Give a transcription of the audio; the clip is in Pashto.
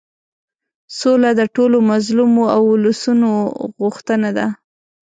سوله د ټولو مظلومو اولسونو غوښتنه ده.